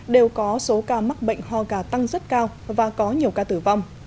đều có số ca mắc bệnh ho gà tăng rất cao và có nhiều ca tử vong